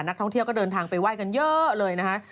นักท่องเที่ยวก็เดินทางไปไห้กันเยอะเลยนะคะ